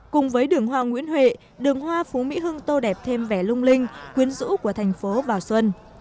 cùng với đường hoa nguyễn huệ đường hoa phú mỹ hưng tô đẹp thêm vẻ lung linh quyến rũ của thành phố vào xuân